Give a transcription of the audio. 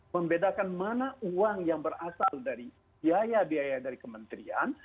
membedakan mana uang yang berasal dari biaya biaya dari kementerian